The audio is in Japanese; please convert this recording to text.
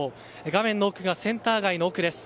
画面の奥がセンター街の奥です。